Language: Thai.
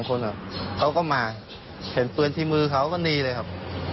คนเขาก็มาเห็นปืนที่มือเขาก็หนีเลยครับ